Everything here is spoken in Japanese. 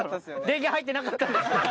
電源入ってなかったんです